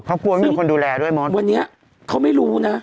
เขากลัวไม่มีคนดูแลด้วยมอสวันนี้เขาไม่รู้นะ